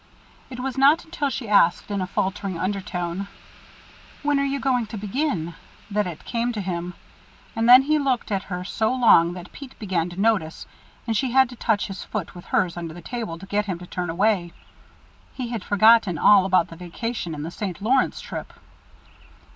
It was not until she asked in a faltering undertone, "When are you going to begin?" that it came to him. And then he looked at her so long that Pete began to notice, and she had to touch his foot with hers under the table to get him to turn away. He had forgotten all about the vacation and the St. Lawrence trip.